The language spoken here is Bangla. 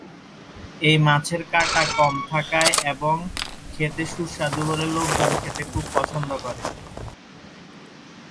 এ মাছের কাঁটা কম থাকায় এবং খেতে সুস্বাদু বলে লোকজন খেতে খুব পছন্দ করে।